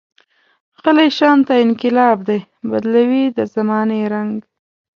غلی شانته انقلاب دی، بدلوي د زمانې رنګ.